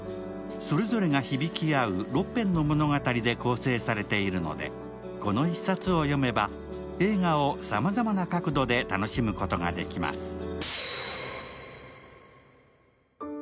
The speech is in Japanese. それぞれが響き合う６編の物語で構成されているので、この１冊を読めば、映画をさまざまな角度で楽しむことができます。